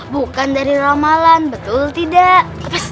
bukan dari ramalan betul tidak